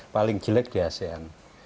paling jelek di asean